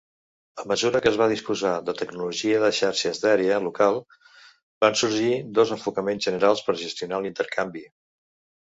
A mesura que es va disposar de tecnologia de xarxes d'àrea local, van sorgir dos enfocaments generals per gestionar l'intercanvi.